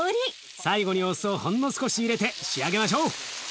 最後にお酢をほんの少し入れて仕上げましょう。